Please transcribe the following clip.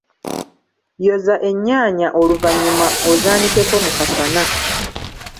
Yoza ennyaanya oluvannyuma ozaanikeko mu kasana.